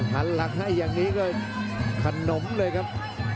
หันหลังให้อย่างนี้ก็ขนมเลยครับ